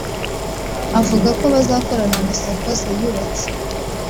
avuga ko bazakorana na Sacco ziyubatse